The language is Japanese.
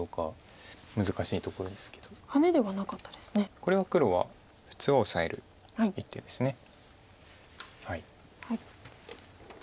これは黒は普通はオサえる一手です。